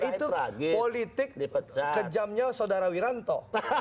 itu politik kejamnya saudara wiranto